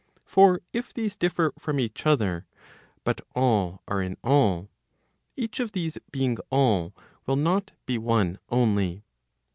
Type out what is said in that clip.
For if these differ from each other, but all are in all, each of these being all will not be one only.